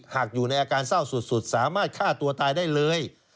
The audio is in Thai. อยู่ในอาการเศร้าสุดสามารถฆ่าตัวตายได้เลย